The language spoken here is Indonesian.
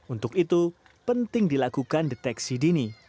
untuk itu penting dilakukan deteksi dini